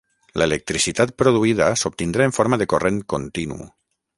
L'electricitat produïda s'obtindrà en forma de corrent continu